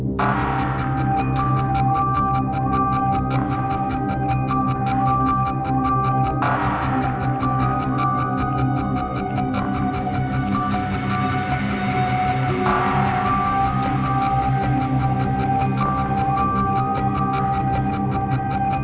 มันจะไม่รู้ยังไงเราก็ไม่รู้ยังไง